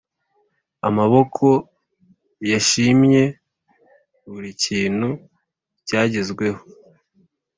amaboko yashimye buri kintu cyagezweho.